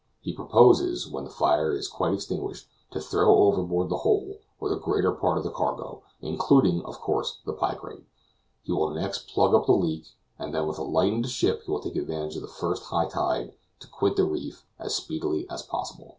He proposes, when the fire is quite extinguished, to throw overboard the whole, or the greater portion of the cargo, including, of course, the picrate; he will next plug up the leak, and then, with a lightened ship, he will take advantage of the first high tide to quit the reef as speedily as possible.